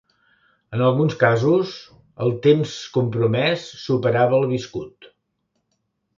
En alguns casos, el temps compromès superava el viscut.